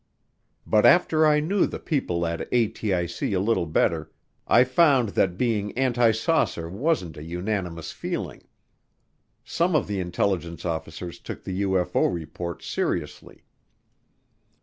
But after I knew the people at ATIC a little better, I found that being anti saucer wasn't a unanimous feeling. Some of the intelligence officers took the UFO reports seriously.